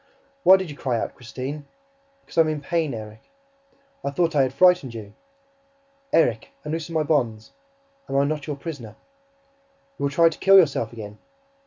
"Why did you cry out, Christine?" "Because I am in pain, Erik." "I thought I had frightened you." "Erik, unloose my bonds ... Am I not your prisoner?" "You will try to kill yourself again."